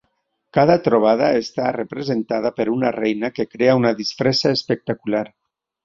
Cada trobada està representada per una reina que crea una disfressa espectacular.